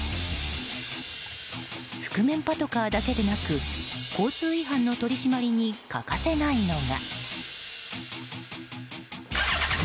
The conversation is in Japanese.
覆面パトカーだけでなく交通違反の取り締まりに欠かせないのが。